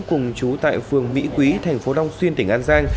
cùng chú tại phường mỹ quý thành phố long xuyên tỉnh an giang